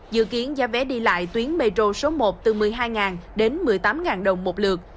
dự kiến giá vé đi lại tuyến metro số một từ một mươi hai đến một mươi tám đồng một lượt